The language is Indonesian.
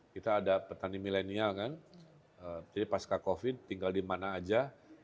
kita ada petani milenial kan jadi pasca covid tinggal di mana aja